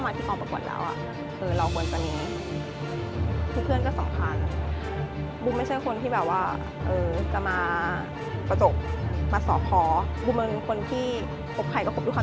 มันมีคำพูดหนึ่งที่พี่เนย์เคยพูดไว้